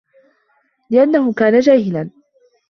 لِأَنَّهُ كَانَ جَاهِلًا